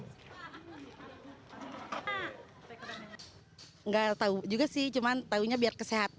tidak tahu juga sih cuman tahunya biar kesehatan